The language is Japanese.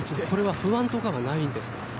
これは不安とかはないんですか。